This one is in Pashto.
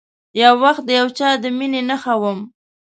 یو وخت د یو چا د میینې نښه وم